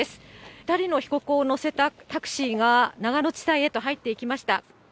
２人の被告を乗せたタクシーが、長野地裁へと入っていきました。